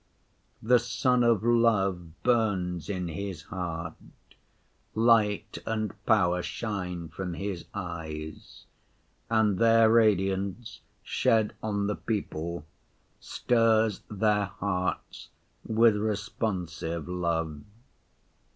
The sun of love burns in His heart, light and power shine from His eyes, and their radiance, shed on the people, stirs their hearts with responsive love.